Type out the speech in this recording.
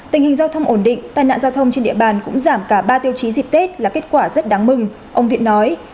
tình hình giao thông ổn định tai nạn giao thông trên địa bàn cũng giảm cả ba tiêu chí dịp tết là kết quả rất đáng mừng ông viện nói